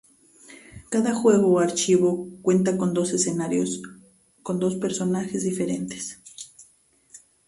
Cada juego o "archivo" cuenta con dos escenarios con dos personajes diferentes.